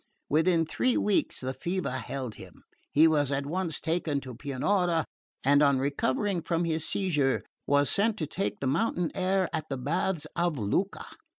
Within three weeks the fever held him. He was at once taken to Pianura, and on recovering from his seizure was sent to take the mountain air at the baths of Lucca.